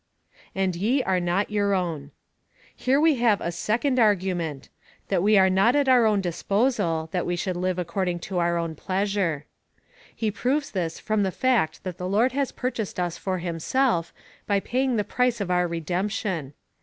^ And ye are not your own. Here we have a second argu ment — that we are not at our own disposal, that we should live according to our own pleasure. He proves this from the fact that the Lord has purchased us for himself, by pay ing the price of our redemption.